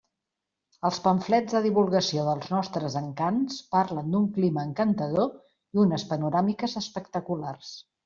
Els pamflets de divulgació dels nostres encants parlen d'un clima encantador i unes panoràmiques espectaculars.